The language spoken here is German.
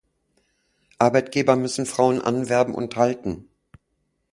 Arbeitgeber müssen Frauen anwerben und halten.